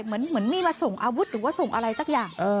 เหมือนมีมาส่งอาวุธส่งอะไรสักอย่าง